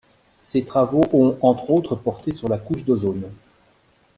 Ses travaux ont entre autres porté sur la couche d'ozone.